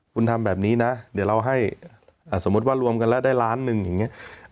คุณทำแบบนี้นะเดี๋ยวเราให้สมมุติว่ารวมกันแล้วได้ล้านหนึ่งอย่างนี้